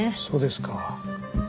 そうですか。